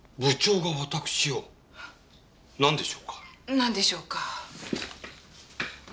なんでしょうか。